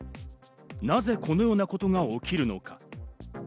なぜこのようなことが起きるのか。